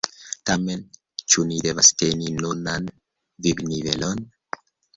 Tamen, ĉu ni devas teni nunan vivnivelon?